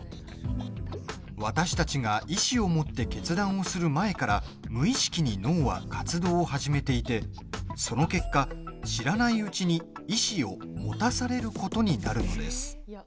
私たちが意志を持って決断をする前から無意識に脳は活動を始めていてその結果、知らないうちに意志を持たされることになるのです。